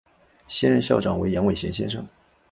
现任校长为杨伟贤先生。